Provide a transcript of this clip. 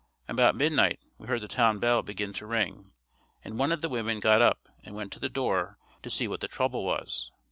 About midnight we heard the town bell begin to ring and one of the women got up and went to the door to see what the trouble was.